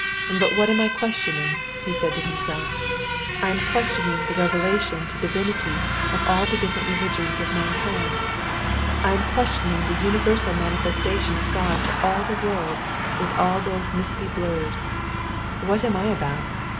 "But what am I questioning?" he said to himself. "I am questioning the relation to Divinity of all the different religions of all mankind. I am questioning the universal manifestation of God to all the world with all those misty blurs. What am I about?